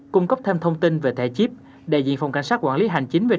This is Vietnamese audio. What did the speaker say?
cung cấp thêm thông tin về thẻ chip đại diện phòng cảnh sát quản lý hành chính về